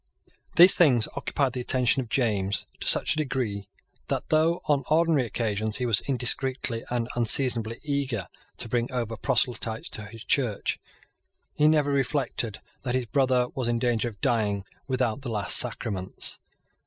These things occupied the attention of James to such a degree that, though, on ordinary occasions, he was indiscreetly and unseasonably eager to bring over proselytes to his Church, he never reflected that his brother was in danger of dying without the last sacraments.